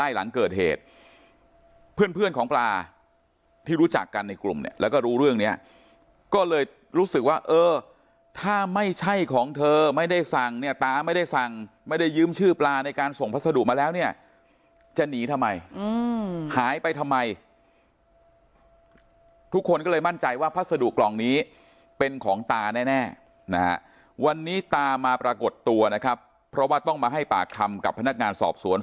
หลังเกิดเหตุเพื่อนเพื่อนของปลาที่รู้จักกันในกลุ่มเนี่ยแล้วก็รู้เรื่องเนี้ยก็เลยรู้สึกว่าเออถ้าไม่ใช่ของเธอไม่ได้สั่งเนี่ยตาไม่ได้สั่งไม่ได้ยืมชื่อปลาในการส่งพัสดุมาแล้วเนี่ยจะหนีทำไมหายไปทำไมทุกคนก็เลยมั่นใจว่าพัสดุกล่องนี้เป็นของตาแน่นะฮะวันนี้ตามาปรากฏตัวนะครับเพราะว่าต้องมาให้ปากคำกับพนักงานสอบสวน